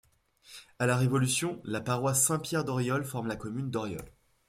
À la Révolution, la paroisse Saint-Pierre d'Auriolles forme la commune d'Auriolles.